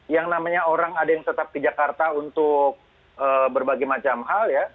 yang namanya orang ada yang tetap ke jakarta untuk berbagai macam hal ya